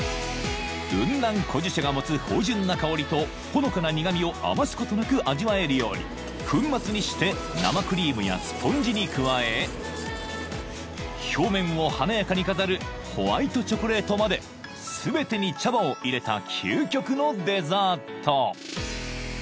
［雲南古樹茶が持つ芳醇な香りとほのかな苦味を余すことなく味わえるように粉末にして生クリームやスポンジに加え表面を華やかに飾るホワイトチョコレートまで全てに茶葉を入れた究極のデザート］